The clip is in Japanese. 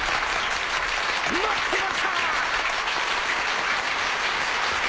待ってました！